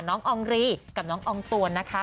อองรีกับน้องอองตวนนะคะ